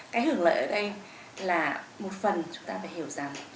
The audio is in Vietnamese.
cái hưởng lợi ở đây là một phần chúng ta phải hiểu rằng